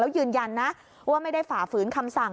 แล้วยืนยันนะว่าไม่ได้ฝ่าฝืนคำสั่ง